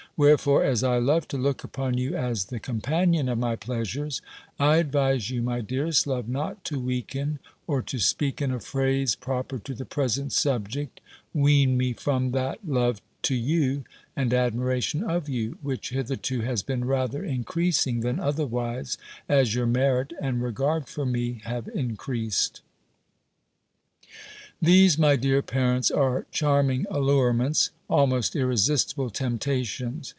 Wherefore, as I love to look upon you as the companion of my pleasures, I advise you, my dearest love, not to weaken, or, to speak in a phrase proper to the present subject, wean me from that love to you, and admiration of you, which hitherto has been rather increasing than otherwise, as your merit, and regard for me have increased." These, my dear parents, are charming allurements, almost irresistible temptations!